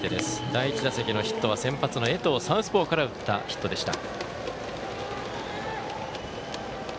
第１打席のヒットは先発の江藤サウスポーから打ったヒットでした。